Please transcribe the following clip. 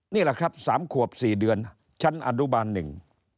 นี่แหละครับสามขวบสี่เดือนชั้นอนุบาลหนึ่ง